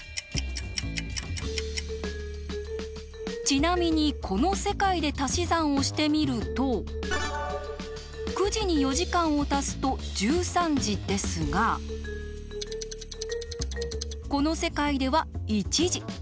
ちなみにこの世界で足し算をしてみると９時に４時間を足すと１３時ですがこの世界では１時。